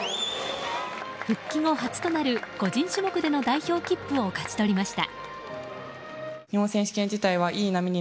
復帰後初となる個人種目での代表切符を勝ち取りました。